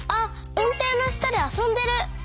うんていのしたであそんでる！